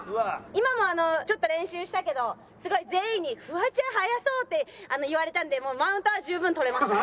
今もあのちょっと練習したけどすごい全員にフワちゃん速そうって言われたんでもうマウントは十分取れました。